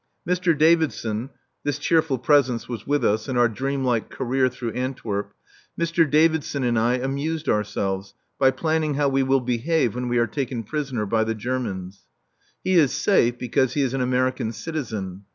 Mr. Davidson (this cheerful presence was with us in our dream like career through Antwerp) Mr. Davidson and I amused ourselves by planning how we will behave when we are taken prisoner by the Germans. He is safe, because he is an American citizen.